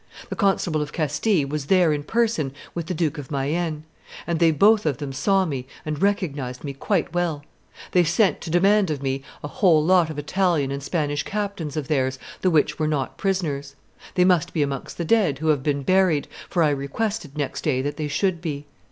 The Constable of Castile was there in person with the Duke of Mayenne; and they both of them saw me and recognized me quite well; they sent to demand of me a whole lot of Italian and Spanish captains of theirs, the which were not prisoners. They must be amongst the dead who have been buried, for I requested next day that they should be.